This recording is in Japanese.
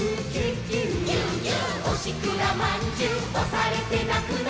「おしくらまんじゅうおされてなくな」